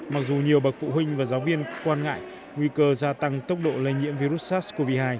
mặc dù nhiều bậc phụ huynh và giáo viên quan ngại nguy cơ gia tăng tốc độ lây nhiễm virus sars cov hai